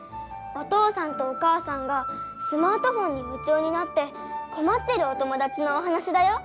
お父さんとお母さんがスマートフォンにむ中になってこまってるお友だちのおはなしだよ。